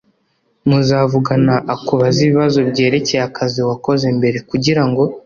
Muzavugana akubaze ibibazo byerekeye akazi wakoze mbere kugirango